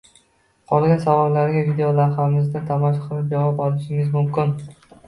Qolgan savollarga videolavhamizni tomosha qilib javob olishingiz mumkin.